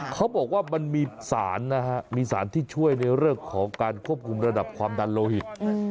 เขาบอกว่ามันมีสารนะฮะมีสารที่ช่วยในเรื่องของการควบคุมระดับความดันโลหิต